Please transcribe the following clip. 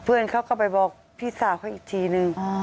เพื่อนเขาก็ไปบอกพี่สาวเขาอีกทีนึง